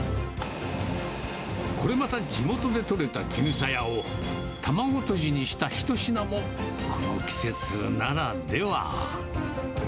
これまた地元で取れたキヌサヤを卵とじにした一品も、この季節ならでは。